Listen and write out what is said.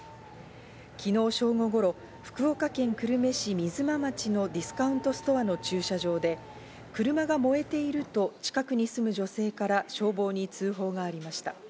昨日正午頃、福岡県久留米市三潴町のディスカウントストアの駐車場で車が燃えていると近くに住む女性から消防に通報がありました。